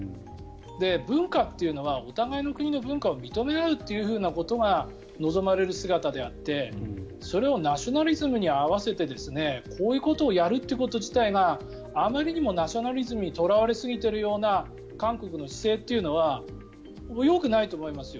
文化っていうのはお互いの国の文化を認め合うということが望まれる姿であってそれをナショナリズムに合わせてこういうことをやるということ自体があまりにもナショナリズムにとらわれすぎているような韓国の姿勢というのはよくないと思いますよ